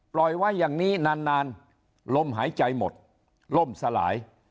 ปล่อยไว้อย่างนี้นานลมหายใจหมดล่มสลาย